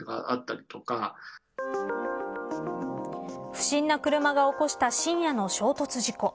不審な車が起こした深夜の衝突事故。